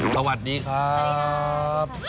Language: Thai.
สวัสดีครับ